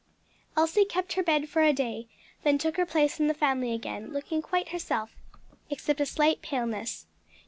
Elsie kept her bed for a day, then took her place in the family again, looking quite herself except a slight paleness.